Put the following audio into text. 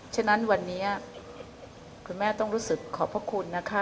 ฉะนั้นวันนี้คุณแม่ต้องรู้สึกขอบพระคุณนะคะ